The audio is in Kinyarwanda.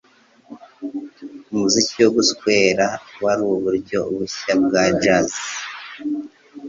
Umuziki wo guswera wari uburyo bushya bwa jazz.